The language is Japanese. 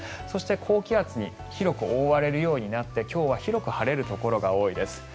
そして、高気圧に広く覆われるようになって今日は広く晴れるところが多いです。